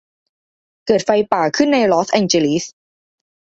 เกิดไฟป่าขึ้นในลอสแองเจลิส